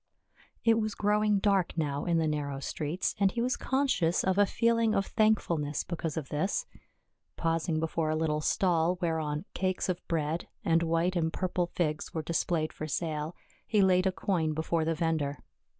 It was growing dark now in the narrow streets, and he was conscious of a feeling of thankfulness because of this. Pausing before a little stall whereon cakes of bread, and white and purple figs were displayed for sale, he laid a coin before the vendor.